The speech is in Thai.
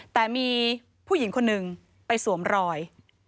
แต่มีผู้หญิงคนหนึ่งไปสวมรอย